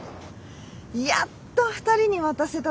やっと２人に渡せたところ！